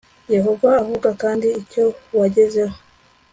Yehova avuga kandi icyo wagezeho